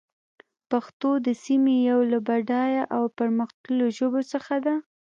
پښتو د سيمې يوه له بډايه او پرمختللو ژبو څخه ده.